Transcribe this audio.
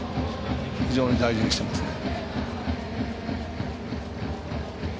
非常に大事にしていますね。